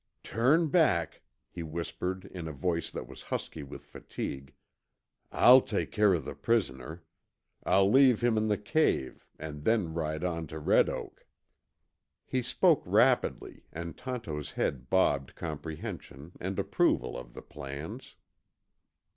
"Turn back," he whispered in a voice that was husky with fatigue. "I'll take care of the prisoner. I'll leave him in the cave, and then ride on to Red Oak." He spoke rapidly, and Tonto's head bobbed comprehension and approval of the plans.